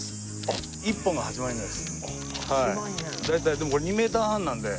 でもこれ２メーター半なんで。